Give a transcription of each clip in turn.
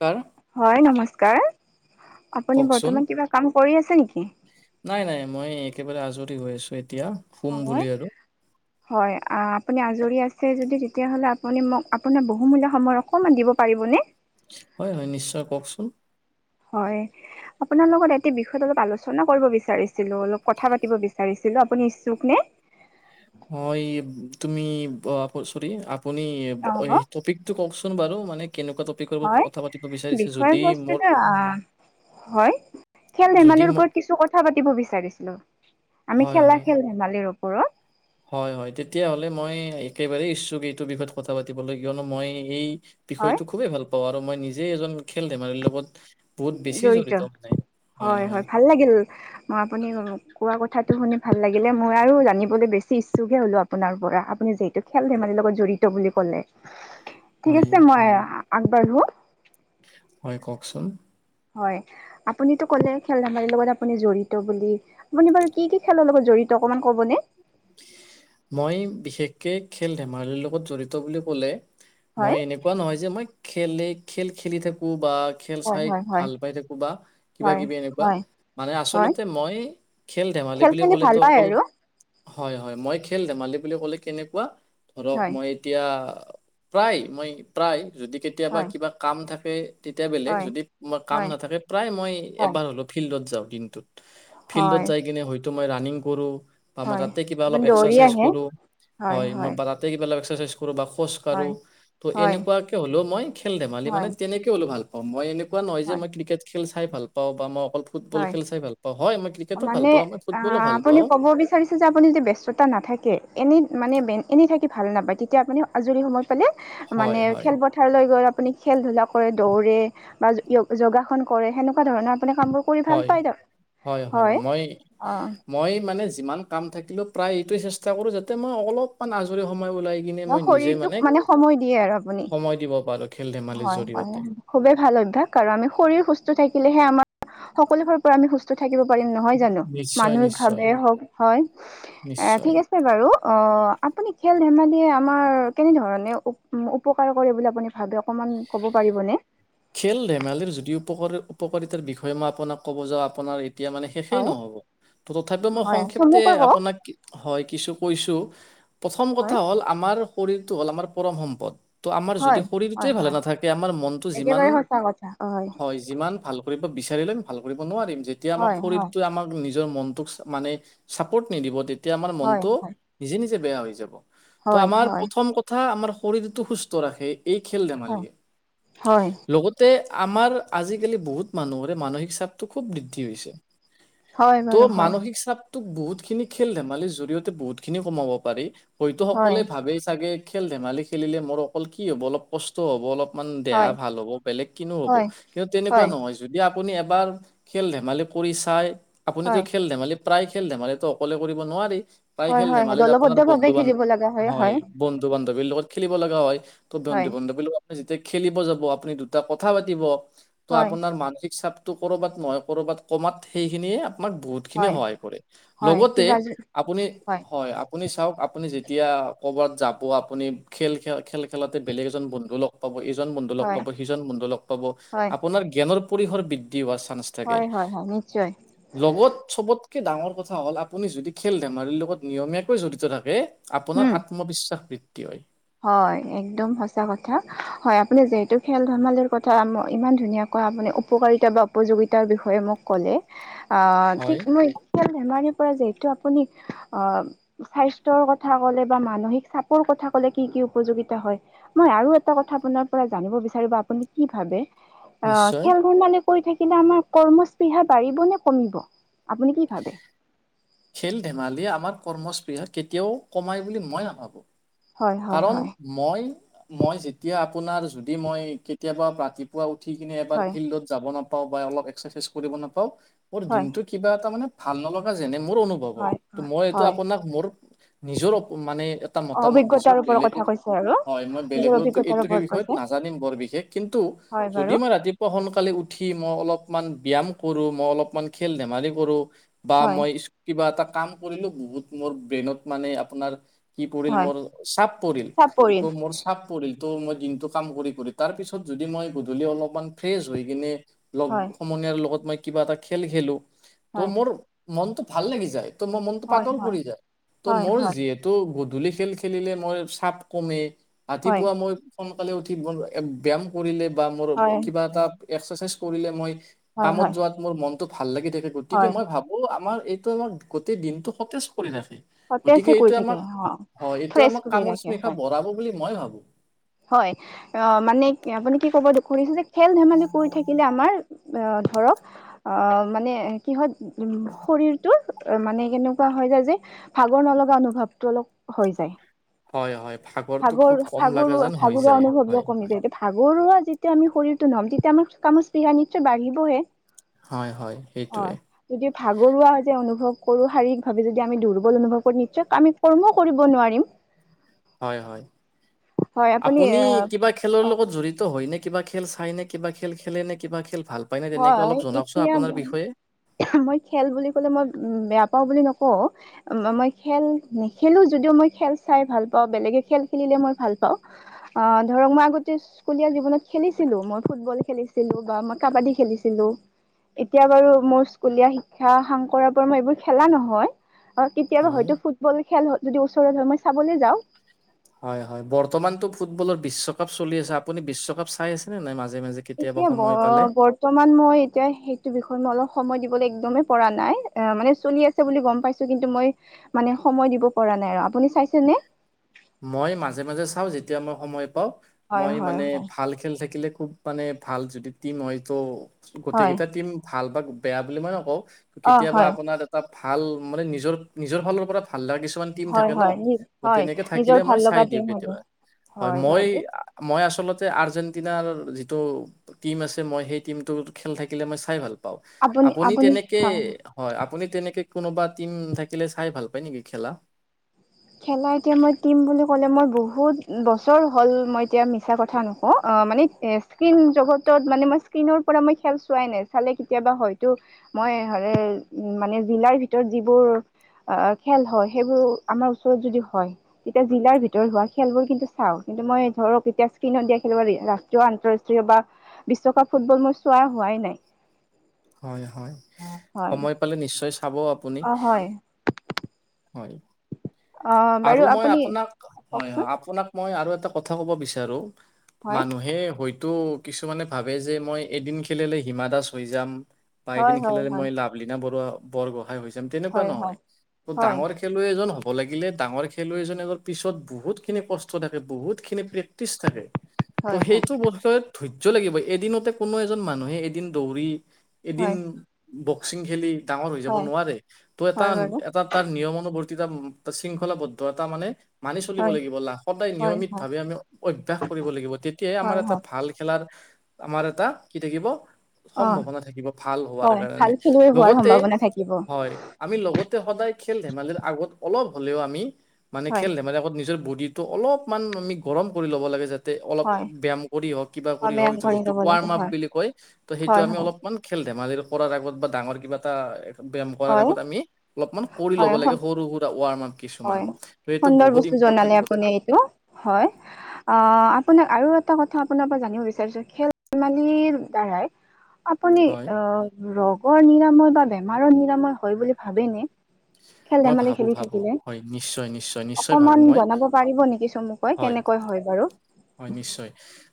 কাৰ হয় নমস্কাৰ আপুনি কওকচোন বৰ্তমান কিবা কাম কৰি আছে নেকি? নাই নাই মই একেবাৰে আজৰি হৈ আছোঁ হয় হয় আপুনি আজি আজৰি আছে যদি তেতিয়'লে আপুনি মোক আপোনাৰ বহুমূলীয়া সময় অকণমান দিব পাৰিবনে? হয় হয় নিশ্চয় কওকচোন। হয় আপোনাৰ লগত এটি বিষয়ত অলপ আলোচনা কৰিব বিচাৰিছিলোঁ অলপ কথা পাতিব বিচাৰিছিলোঁ। আপুনি ইচ্ছুক নে? হয় তুমি আ, চৰি আপুনি অ হ'ব। টপিকটো কওকচোন। চোন বাৰু মানে কেনেকুৱা টপিকৰ হয় কথা পাতিব বিচাৰিছে বিষয় যদি বস্তুটো মোৰ আহ হয় খেল যদি ধেমালিৰ মোক ওপৰত কিছু কথা পাতিব বিচাৰিছিলোঁ। আমি হয় খেলা হয় খেল ধেমালিৰ ওপৰত। হয় হয় তেতিয়াহলে মই একেবাৰেই ইচ্ছুক, এইটো বিষয়ত কথা পাতিবলৈ কিয়নো মই এই হয় বিষয়টো খুবেই ভাল পাওঁ আৰু মই নিজেই এজন খেল ধেমালিৰ লগত জড়িত হয় হয় ভাল লাগিল মই আপুনি কোৱা কথাটো শুনি ভাল লাগিলে, মই আৰু জানিবলৈ বেছি ইচ্ছুকহে হ'লোঁ আপোনাৰ পৰা, আপুনি যিহেতু খেল ধেমালিৰ লগত জড়িত বুলি কয় কলে ঠিক হয় আছে মই আগবাঢ়ো। হয় কওকচোন। হয় আপুনিতো ক'লে খেল ধেমালিৰ লগত আপুনি জড়িত বুলি, আপুনি বাৰু কি কি খেলৰ লগত জড়িত অকণমান ক'ব নে? মই বিশেষকে খেল ধেমালিৰ লগত জড়িত বুলি ক'লে হয় মই এনেকুৱা নহয় যে মই খেলে খেল খেলি থাকো বা খেল হয় চাই হয় হয় ভাল পাই থাকো বা কিবা হয় কিবি এনেকুৱা হয় মানে হয় আচলতে মই খেল ধেমালি বুলি খেলি ভাল ক'লেতো পায় অকল আৰু হয় হয় মই খেল ধেমালি বুলি ক'লে কেনেকুৱা ধৰক হয় মই এতিয়া প্ৰায় মই প্ৰায় যদি কেতিয়াবা হয় কিবা কাম থাকে তেতিয়া বেলেগ হয় যদি মই কাম হয় নাথাকে, প্ৰায় মই হয় এবাৰ হ'লেও ফিল্ডত যাওঁ দিনটোত। ফিল্ডত হয় যাই কিনে হয়তো মই ৰানিং কৰোঁ বা মই হয় তাতে কিবা অলপ আপুনি দৌৰি এক্সাৰচাইজ আহে কৰো, হয় মই বা তাতে কিবা অলপ এক্সাৰচাইজ কৰোঁ বা খোজ হয় কৰোঁ তো হয় এনেকুৱাকে হ'লেও মই খেল ধমালি হয় মানে তেনেকে হ'লেও ভাল অ, মই এনেকুৱা নহয় যে হয় মই ক্ৰিকেট খেল চাই ভাল পাওঁ বা মই অকল ফুটবল হয় খেল চাই ভাল পাওঁ হয় মই ক্ৰিকেটো ভাল মানে পাওঁ, মই ফুটবলো আহ ভাল আপুনি পাওঁ। ক'ব বিচাৰিছে যে আপুনি যদি ব্যস্তা নাথাকে, এনে মানে এনেই থাকি ভাল নাপায় তেতিয়া আপুনি আজৰি সময়ত পালে মানে হয় হয় খেলপথাৰলৈ গ'ল আপুনি খেল ধুলা কৰে দৌৰে বা [unintelligible] যোগাসন কৰে সেনেকুৱা ধৰণৰ আপোনাৰ কামবোৰ কৰি ভাল হয় পাই হয় হয়, অ মই-মই মানে যিমান কাম থাকিলেও প্ৰায় এইটোৱে চেষ্টা কৰোঁ যাতে মই অলপমান আজৰি সময় ওলাই কিনে ন মই নিজে শৰীৰটোক মানে সময় দিয়ে আৰু আপুনি। সময় দিব পাৰোঁ খেল ধেমালিৰ হয় হয় জৰিয়তে খুবেই ভাল অভ্যাস আৰু আমি শৰি সুস্থ থাকিলেহে আমাৰ সকলো ফালৰ পৰা আমি সুস্থ থাকিব পাৰিম নহয় জানো, নিশ্চয় মানসিক নিশ্চয় ভাৱে হওক হয়। অ', নিশ্চয় ঠিক আছে বাৰু অ, আপুনি খেল ধেমালি আমাৰ কেনেধৰণে উপকাৰ কৰে বুলি আপুনি ভাবে অকমান ক'ব পাৰিবনে? খেল ধেমালিৰ যদি উপ উপকাৰিতাৰ বিষয়ে মই আপোনাক ক'ব যাওঁ আপোনাৰ তেতিয়া মানে শেষেই হয় নহব ত' তথাপিও মই হয় সংক্ষেপ্তে চমুকৈ কওক আপোনাক হয় কিছু কৈছোঁ প্ৰথম হয় কথা হ'ল আমাৰ শৰীৰটো হ'ল আমাৰ পৰম সম্পদ। ত' আমাৰ যদি হয় হয় শৰীৰটোৱে ভালে হয় নাথাকে আমাৰ মনটো যিমান একেবাৰে সঁচা কথা হয় যিমান ভাল কৰিব বিচাৰিলে আমি ভাল কৰিব নোৱাৰিম যেতিয়া আমাক হয় হয় শৰীৰটোৱে আমাক নি নিজৰ মনটোক মানে চাপৰ্ট নিদিব তেতিয়া আমাৰ হয় মনটো হয় নিজে নিজে বেয়া হৈ যাব। ত' হয় আমাৰ হয় প্ৰথম কথা আমাৰ শৰীৰটো সুস্থ ৰাখে এই খেল ধেমালিয়ে। হয় হয় লগতে আমাৰ আজিকালি বহুত মানুহৰে মানসিক চাপটো খুব বৃদ্ধি হৈছে। হয় ত' বাৰু হয়। মানসিক চাপ ত বহুত খিনি খেল ধেমালিৰ জৰিয়তে বহুত খিনি কমাব পাৰি হয়তো হয় সকলে ভাবেই চাগে খেল ধেমালি খেলিলে মোৰ অকল কি হ'ব অলপ কষ্ট হ'ব অলপমান দেহা হয় ভাল হ'ব বেলেগ কিনো হ'ব হয় কিন্তু তেনেকুৱা হয় নহয় যদি আপুনি এবাৰ খেল-ধেমালি কৰি চাই আপুনিটো খেল-ধেমালি প্ৰায় খেল ধেমালিতো অকলে কৰিব নোৱাৰি। প্ৰায় হয় খেল হয় হয় ধেমালিত দলবদ্ধ আপোনাৰ ভাৱে খেলিব বন্ধু-বান্ধৱ লগা হয়, বন্ধু বান্ধৱীৰ লগত খেলিব লগা হয়, ত বন্ধু হয় বান্ধৱীৰ লগত যেতিয়া খেলিব যাব আপুনি দুটা কথা পাতিব ত হয় আপোনাৰ মানসিক চাপ তো ক'ৰবাত নহয় ক'ৰবাত কমাত সেইখিনিয়ে বহুতখিনি হয় সহায় কৰে। হয় লগতে কিবা আপুনি হয়, আপুনি চাওক আপুনি যে তিয়া কৰ'বাত যাব আপুনি খেল, খেল, খেল, খেলাতে বেলেগ এজন বন্ধু লগ পাব, এইজন বন্ধু লগ হয় পাব সিজন বন্ধু লগ পাব, হয় আপোনাৰ জ্ঞানৰ পৰিসৰ বৃ দ্ধি হোৱা চাঞ্চ থাকে। হয় হয় হয় নিশ্চয় লগত চবত কে ডাঙৰ কথা হ'ল, আপুনি যদি খেল ধেমালিৰ লগত নিয়মীয়াকৈ জড়িত থাকে আপোনাৰ উম আত্মবিশ্বাস বৃদ্ধি হয়। হয়, এক্দম সচাঁ কথা। হয় আপুনি যিহেতু খেল-ধেমালিৰ কথা ইমান ধুনীয়া ক আপুনি উপকাৰিতা বা উপযোগিতাৰ বিষয়ে মোক ক'লে অ', ঠিক হয় মই এতিয়া নেমাৰিম যিহেতু আপুনি অ', স্বাস্থ্যৰ কথা ক'লে বা মানহিক চাপৰ কথা কলে কি কি উপযোগিতা হয়, মই আৰু এটা কথা আপোনাৰ পৰা জানিব বিচাৰো বা আপুনি কি ভাবে? অ', নিশ্চয় খেল-ধেমালি কৰি থাকিলে আমাৰ কৰ্মস্পৃহা বাঢ়িব নে কমিব? আপুনি কি ভাবে? খেল-ধেমালিয়ে আমাৰ কৰ্মস্পৃহা কেতিয়াও কমায় বুলি মই নাভাবোঁ। হয় হয় কাৰণ হয় মই, মই যেতিয়া আপোনাৰ যদি মই কেতিয়াবা ৰাতিপুৱা উ উঠি কিনে এবাৰ হয় ফিল্ডত যাব নাপাওঁ, বা অলপ এক্সাৰচাইজ কৰিব নাপাওঁ, মোৰ হয় দিনটো কিবা এটা মানে ভাল নলগা যেনে মোৰ অনুভৱ হয়। ত মই এইটো হয় আপোনাক মোৰ নিজৰ মানে এটা মতামত দিছো। কৰ কথা বেলেগৰ কৈছে? আৰু হয়, মই নিজৰ বেলেগৰ অভিজ্ঞতাৰ এইটোহে ওপৰত বিষয়ত কৈছে নাজানিম বৰ বিশেষ। কিন্তু, হয় যদি বাৰু মই ৰাতিপুৱা সোনকালে উঠি মই অলপমান ব্যাম কৰো, মই অলপমান খেল-ধেমালি কৰো, বা হয় মই ইচ কিবা এটা কাম কৰিলো বহুত মোৰ ব্ৰেইনত মানে আপোনাৰ কি পৰিল হয় মোৰ চাপ পৰিল, ত' চাপৰিত মোৰ চাপ পৰিল। ত, মই দিনটো কাম কৰি কৰি তাৰ পিছত যদি মই গধূলি অলপমান ফ্ৰেচ হৈ কিনে হয় লগ-সমনীয়াৰ লগত মই কিবা এটা খেল খেলো ত' হয় মোৰ মনটো ভাল লাগি যায়। ত' মোৰ মনটো হয় পাতল হয় কৰি যায়। ত' হয় মোৰ হয় যিহেতু গধূলি খেল খেলিলে মই চাপ কমে, হয় ৰাতিপুৱা মই সোনকালে উঠি ব্যাম কৰিলে বা মোৰ হয় কিবা এটা এক্সাৰচাইজ কৰিলে মই হয় কামত হয় যোৱাত মোৰ মন ভাল লাগি থাকে, গতিকে হয় মই ভাবোঁ আমাৰ এইটো আমাৰ গটেই দিনটো সতেজ গতিকে সতেজে কৰি এইটো থাকে আমাক অ হয় এইটো ফ্ৰেছ আমাক কৰি কামৰ ৰাখে স্পৃহা হয় বঢ়াব বুলি মই ভাবো। হয় অ মানে আপুনি কি ক'ব খুজিছে যে খেল ধেমালি কৰি থাকিলে আমাৰ অ', ধৰক অ', মানে কিহত উম, শৰীৰটোৰ মানে কেনেকুৱা হৈ যায় যে, ভাগৰ নলগা অনুভাৱটো অলপ হৈ যায়। হয়, হয়। ভাগৰটো ভাগৰ খুব কম লগা ভাগৰুৱা যেন হৈ ভাগৰুৱা যায় অনুভৱ হয় কমি হয় যায়, ভাগৰুৱা যেতিয়া আমি শৰীৰটো ন'ম তেতিয়া আমাৰ কামৰ স্পৃহা নিশ্চয় বাঢ়িবহে। হয় হয় হয়, সেইটোৱে যদি ভাগৰুৱা যে অনুভৱ কৰোঁ, শাৰীৰিক ভাৱে যদি আমি দুৰ্বল অনুভৱ কৰো নিশ্চয় আমি কৰ্ম কৰিব নোৱাৰিম। এ হয়। আপুনি কিবা খেলৰ অ লগত জড়িত হয় নে? কিবা খেল চাই নে? কিবা খেল খেলে নে? কিবা খেল ভাল পায় নে তেনেকে হয়, অলপ জনাওকচোন এতিয়া ম আপোনাৰ বিষয়ে মই খেল বুলি কলে মই বেয়া পাও বুলি নক অ, মই খেল নেখেলো যদিও মই খেল চাই ভাল পাও বেলেগে খেল খেলিলে মই ভাল অ - অ, ধৰক মই আগতে স্কুলীয়া জীৱনত খেলিছিলো। মই ফুটবল খেলিছিলো বা মই কাবাডী খেলিছিলো। এতিয়া বাৰু মোৰ স্কুলীয়া শিক্ষা সাং কৰা পৰা মই এইবোৰ খেলা নহয়। অ, কেতিয়াবা হয় হয়তো ফুটবল খেল যদি ওচৰত হয় মই চাবলৈ যাও। হয় - হয় বৰ্তমানতটো ফুটবলৰ বিশ্বকাপ চলি আছে আপুনি বিশ্বকাপ চাই আছে নে নাই মাজ এতিয়া ব বৰ্তমান মই এতিয়া সেইটো বিষয়ত মই অলপ সময় দিবলৈ একদমে পৰা নাই অ, মানে চলি আছে বুলি গম পাইছো কিন্তু মই মানে সময় দিব পৰা নাই আৰু আপুনি চাইছেনে? মই মাজে - মাজে চাও যেতিয়া মই সময় পাও হয় মই হয় মানে হয় ভাল খেল থাকিলে। খুব মানে ভাল যদি টীম হয় তো হয় গোটেইকেইটা টীম ভাল বা বেয়া বুলি মই নকও অ কেতিয়াবা হয় আপোনাৰ এটা ভাল মানে নিজৰ নিজৰ ফালৰ পৰা ভাল ভাললগা কিছুমান টিম হয় থাকে ন হয় হয় তেনেকে থাকে নিজৰ ভাল মই চাই লগা দিও টিম হব কেতিয়াবা হয় মই বাৰু আৰ্জন আৰ্জেণ্টিনাৰ যিটো টিম আছে মই সেই টীমটো খেল থাকিলে মই চাই ভাল পাও আপুনি তেনেকে হয় আপুনি তেনেকে কোনোবা টিম থাকিলে চাই ভাল পায় নেকি খেলা? খেলা এতিয়া মই টিম বুলি কলে মই বহুত বছৰ হল মই এতিয়া মিছা কথা নক অ, অ, মানে স্কিন জগতত মানে মই স্কিনৰ পৰা খেল চোৱাই নাই চালে কেতিয়াবা হয়তো মই হ'লে মানে জিলাৰ ভিতৰত যিবোৰ খেল হয় সেইবোৰ আমাৰ ও যদি হয় তেতিয়া জিলাৰ ভিতৰত হোৱা খেলবোৰ কিন্তু চাও কিন্তু মই ধৰক এতিয়া স্ক্ৰীণত দিয়া খেলবোৰ ৰাষ্ট্ৰীয় আন্তৰাষ্ট্ৰীয় বা বিশ্বকাপ ফুটবল মই চোৱা হোৱাই নাই। হয় - হয় হয় সময় পালে নিশ্চয় চাব আপুনি। অ হয় হয় অ বাৰু আৰু মই আপুনি আপোনাক হয় - হয় কওকচোন আপোনাক মই আৰু এটা কথা ক'ব বিচাৰো হয় মানুহে হয় টো কিছুমানে ভাবে যে মই এদিন খেলিলে হিমা দাস হৈ যাম। হয় বাইকিন খেলে হয় হয় মই লাভলিনা বৰুৱা বৰগ সহায় হৈছে তেনেকুৱা হয় হয় নহয় ত হয় ডাঙৰ খেলুৱৈ এজন হ'ব হ'ব লাগিলে ডাঙৰ খেলুৱৈ এ পিছত বহুতখিনি কষ্ট থাকে বহুতখিনি প্ৰে ত্ৰিশ থাকে ত' হয় হয় সেইটো বছত ধৈৰ্য্য লাগিব এদিনতে কোনো এজন মানুহে এদিন দৌৰি এদিন হয় বক্সিং খেলি ডাঙৰ হৈ যাব হয় নোৱাৰে ত' এটা হয় বাৰু এটা তাৰ নিয়মুবৰ্ত শৃংখলাবদ্ধ এটা মানে মানি চলিব হয় লাগিব লা সদায় হয় হয় নিয়মিতভাৱে আমি অভ্যাস কৰিব লাগিব তেতিয়াই আমাৰ হয় এটা হয় ভাল খেলাৰ আমাৰ এটা কি থাকিব অ সম্ভাৱনা থাকিব। ভাল হোৱাৰ হয় ভাল কাৰণে খেলুৱৈ হোৱাৰ লগতে সম্ভাৱনা থাকিব হয় আমি আগতে সদায় খেল ধেমালিৰ আগত অলপ হলেও আমি মানে হয় খেল ধেমালিৰ আগত নিজৰ বু দিটো অলপমান আমি গৰম কৰি ল'ব লাগে যাতে অলপ হয় ব্যয়াম কৰি হওক কিবা অ কৰি হওক ব্যায়াম যিটো ল'ব ৱাৰ্ম লাগে আপ হয় বুলি কয় ত সেইটো হয় আমি হয় অলপমান ধেমালি কৰাৰ আগত বা ডাঙৰ কিবা এটা ব্যয়াম কৰাৰ হয় আগত আমি অলপমান কৰি ল'ব হয় লাগে হয় সৰু সুৰা ৱাৰ মাপ হয় সুন্দৰ বস্তু জনালে কথা আপুনি এইটো হয়। আপোনাক আৰু এটা কথা আপোনাৰ পৰা জানিব বিচাৰছো খেল ধমালিৰ দ্বাৰাই আপুনি হয় অ, ৰোগৰ নিৰাময় বা বেমাৰৰ নিৰাময় হয় বুলি ভাবেনে খেল মই ধেমালি ভাবো খেলি ভাবো থাকিলে। হয় নিশ্চয় নিশ্চয় নিশ্চয় ভাবো অকমান মই জনাব পাৰিব নেকি চমুকৈ হয় কেনেকৈ হয় বাৰু। হয় নিশ্চয়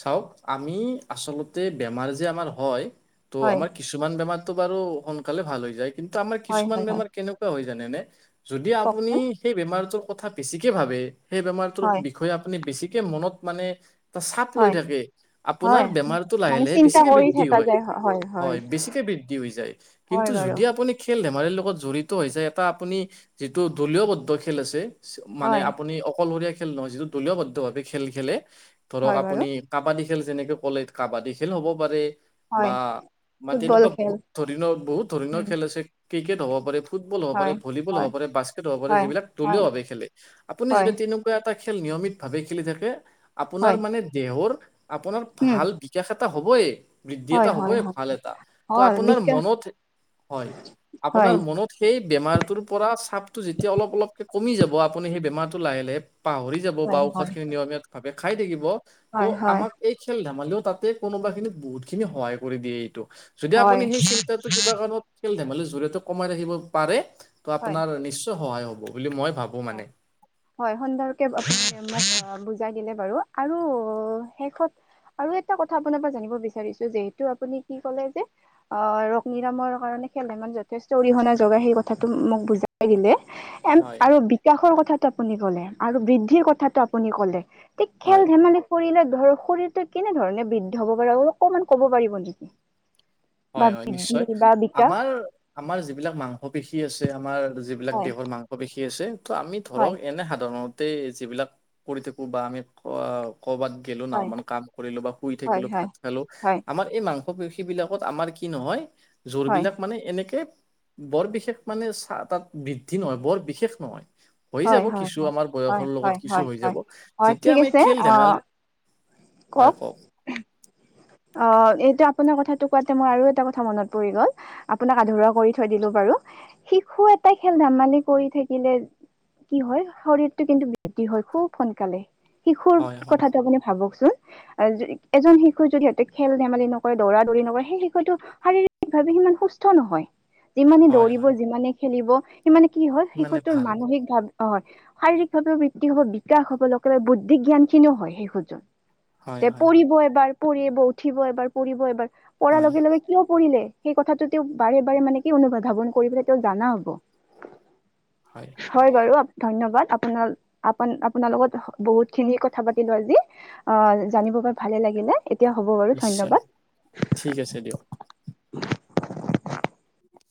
চাওক আমি আচলতে বেমাৰ যে আমাৰ হয় ত, হয় আমাৰ কিছুমান বেমাৰতটো বাৰু সোনকালে ভাল হৈ যায় কিন্তু আমাৰ হয় কিছুমান হয় বেমাৰ কেনেকুৱা হৈ যায় জানে নে যদি আপুনি কওকচোন সেই বেমাৰটোৰ কথা বেছিকে ভাবে সেই বেমাৰটোৰ হয় বিষয়ে আপুনি বেছিকে মনত মানে এ চাপ লৈ হয় থাকে আপোনাৰ হয় বেমাৰতটো লাহে মানে লাহে চিন্তা বেছিকে কৰি বৃদ্ধি থকা হয় যায় হয় বেছিকে বৃদ্ধি হৈ যায় হয় কিন্তু বাৰু যদি আপুনি খেল ধেমাল আমাৰ লগত জড়িত হৈ হৈছে এটা আপুনি যিটো দলীয়বদ্ধ খেল আছে মানে হয় আপুনি অকলশৰীয়া খেল নহয় যিটো দলীয়বদ্ধ ভাৱে খেল খেলে ধৰক হয় বাৰু আপুনি কাবাডী খেল যেনেকে কলে কাবাডী খেল হ'ব পাৰে বা হয় হয় ফুটবল তেনেকুৱা খেল বহুত ধৰিণৰ বহুত ধৰণৰ উম খেল আছে ক্ৰিকেট হ'ব পাৰে ফুটবল হ'ব পাৰে হয় ভোলীবল হয় হবাৰে বাস্কেট হ'ব পাৰে হয় যিবিলাক দলীয় হয় ভাৱে খেলে আপুনি যদি হয় তেনেকুৱা এটা খেল নিয়মিত ভাৱে খেলি থাকে আপোনাৰ হয় মানে দেহৰ আপোনাৰ উম ভাল বিকাশ এটা হবই বৃদ্ধি হয় এটা হয় হ'বই হয় ভাল এটা ত হয় আপোনাৰ বিকাশ মনত হয় হয় আপোনাৰ মনত সেই বেমাৰটোৰ পৰা চাপতটো যেতিয়া অলপ অলপকে কমি যাব আপুনি সেই বেমাৰটো লাহে লাহে পাহৰি যাব বা হয় ঔষধ হয় খিনি নিয়মিত ভাৱে খাই থাকিব ত' হয় হয় আমাক এই খেল ধেমালিও তাতে কোনোবা খিনিত বহুত খিনি সহায় কৰি দিয়ে এইটো যদি হয় আপুনি সেই চিন্তাটো কিবা কাৰণত খেল ধেমালিৰ জৰিয়তে কমাই ৰাখিব পাৰে ত হয় আপোনাৰ নিশ্চয় সহায় হ'ব বুলি মই ভাবো মানে হয় সুন্দৰকে [unintelligible] আ বুজাই দিলে বাৰু আৰু শেষত আৰু এটা কথা আপোনাৰ পৰা জানিব বিচাৰিছো যিহেতু আপুনি কি কলে যে আহ [unintelligible] ৰগ্নিৰামৰ কাৰণে এনে খেল ধেমালি যথেষ্ট অৰিহণা জগাই সেই কথাটো মোক বুজাই দিলে এম হয় আৰু বিকাশৰ কথাটো আপুনি কলে আৰু বৃদ্ধিৰ কথাটো আপুনি ক'লে হয় খেল ধেমালি কৰিলে ধৰক শৰীৰটো কেনে ধৰণে বৃদ্ধি হব পাৰে অকমান কব পাৰিব নেকি হয় বা হয় বৃদ্ধি নিশ্চয় বা বিকাশ আমাৰ আমাৰ যিবিলাক মাংস পেশী আছে আমাৰ যিবিলাক হয় দেহৰ মাংস পেশী আছে ত' আমি ধৰক হয় এনে সাধাৰণতে তে যিবিলাক কৰি থাকোঁ বা আমি কৰ'বাত গেলো না [unintelligible] হয় মান কাম কৰিলো বা শুই হয় থাকিলো হয় ভাত খালো হয় আমাৰ এই মাংস পেষী বিলাক আমাৰ কি নহয় জোৰ হয় বিলাক মানে এনেকে বৰ বিশেষ মানে চা তাত বৃদ্ধি নহয় বৰ বিশেষ নহয় হৈ হয় যাব হয় কিছু হয় আমাৰ হয় বয়সৰ হয় লগত কিছু হয় হৈ হয় যাব হয় যেতিয়া ঠিক আমি আছে খেল আহ ধেমালি হয় [unintelligible] অ এইটো আপোনাৰ কথাটো কোৱাতে মই আৰু এটা কথা মনত পৰি গল আপোনাক আধৰুৱা কৰি থৈ দিলো বাৰু শিশু এটা খেল ধেমালি কৰি থাকিলে কি হয় শৰীৰটো কিন্তু বৃদ্ধি হয় খুব সোনকালে শিশুৰ হয় হয় কথাটো আপুনি ভাবকচোন এজন শিশু যদি খেল ধেমালি নকৰে দৌৰা দৌৰি নকৰে সেই শিশুটো শাৰীৰিক ভাৱে সিমান সুস্থ নহয় যিমানে হয় দৌৰিব হয় যিমানে খেলিব সিমানে কি হয় মানে শিশুটোৰ ভাল মানসিক ভাৱে অ হয় শাৰীৰিকভাৱেও বৃদ্ধি হব বিকাশ হব লগতে বুদ্ধি জ্ঞান খিনিও হয় [unintelligible] হয় যে হয় পৰিব এবাৰ পৰিব উঠিব এবাৰ পৰিব এবাৰ পৰাৰ হয় লগে লগে কিয় পৰিলে সেই কথাটো তেওঁক বাৰে বাৰে মানে কি অনু- ধাৱন কৰি পেলাই তেওঁ জানা হ'ব হয় বাৰু ধন্যবাদ আপোনাৰ আপ আপোনাৰ লগত বহুত খিনি কথা পাতিলো আজি অ জানিব প ভালে লাগে লাগিলে এতিয়া হ'ব বাৰু নিশ্চয় ঠিক আছে দিয়ক ধন্যবাদ [inaudible]